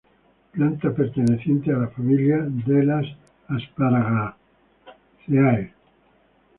Planta perteneciente la familia Asparagaceae.